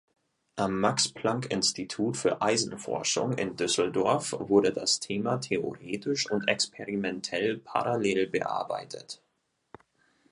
Am Max-Planck-Institut für Eisenforschung in Düsseldorf wurde das Thema theoretisch und experimentell parallel bearbeitet.